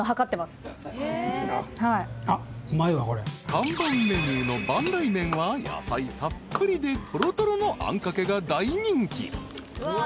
［看板メニューの万来めんは野菜たっぷりでとろとろのあんかけが大人気］